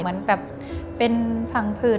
เหมือนแบบเป็นผังผืด